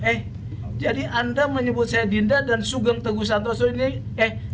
eh jadi anda menyebut saya dinda dan sugeng teguh santoso ini eh